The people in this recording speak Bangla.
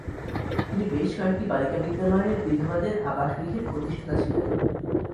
তিনি বেশ কয়েকটি বালিকা বিদ্যালয়ের, বিধবাদের আবাসগৃহের প্রতিষ্ঠাতা ছিলেন।